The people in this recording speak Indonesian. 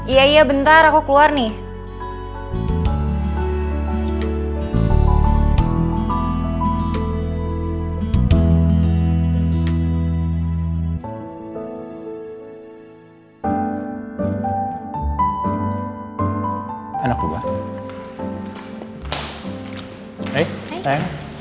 iya iya bentar aku keluar nih